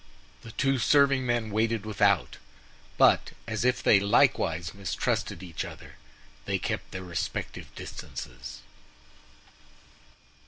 The two serving men waited without; but as if they likewise mistrusted each other, they kept their respective distances.